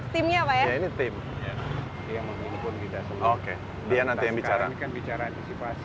timnya apa ya ini tim yang memimpin kita semua oke